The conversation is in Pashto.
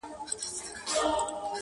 او یوه نه مړه کېدونکې اندېښنه